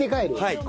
はい。